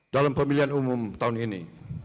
dalam pemilihan umum tahun ini